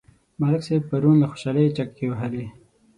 ملک صاحب پرون له خوشحالۍ چکې وهلې.